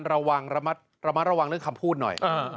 ระมัดระวังระมัดระวังเรื่องคำพูดหน่อย